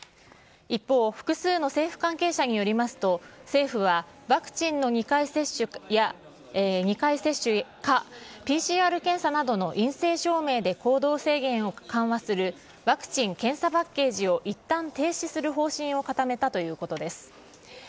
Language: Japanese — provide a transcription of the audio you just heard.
一方、複数の政府関係者によりますと、政府はワクチンの２回接種かＰＣＲ検査などの陰性証明で行動制限を緩和する、ワクチン・検査パッケージをいったん停止する方針を固めたということです。